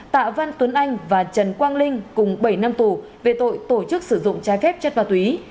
tạ văn tuấn anh và trần quang linh cùng bảy năm tù về tội tổ chức sử dụng trái phép chất ma túy